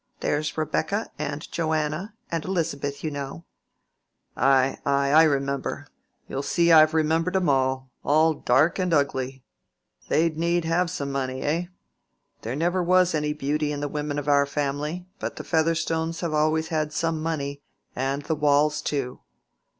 There's Rebecca, and Joanna, and Elizabeth, you know." "Ay, ay, I remember—you'll see I've remembered 'em all—all dark and ugly. They'd need have some money, eh? There never was any beauty in the women of our family; but the Featherstones have always had some money, and the Waules too.